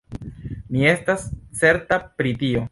Mi estas certa pri tio.